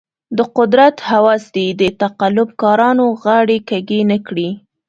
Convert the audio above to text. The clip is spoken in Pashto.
د قدرت هوس دې د تقلب کارانو غاړې کږې نه کړي.